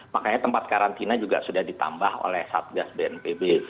makanya tempat karantina juga sudah ditambah oleh satgas bnpb